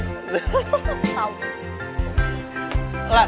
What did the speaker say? lucu buktinya gue ketawa kan